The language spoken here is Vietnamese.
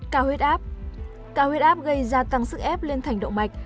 cao huyết áp cao huyết áp gây ra tăng sức ép lên thành động mạch